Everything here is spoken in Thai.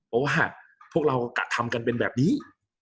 เพราะว่าพวกเรากะทำกันเป็นแบบนี้